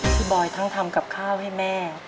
บอยทั้งทำกับข้าวให้แม่